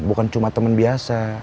bukan cuma temen biasa